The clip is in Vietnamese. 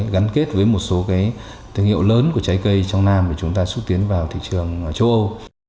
gắn kết với một số thương hiệu lớn của trái cây trong nam để chúng ta xúc tiến vào thị trường châu âu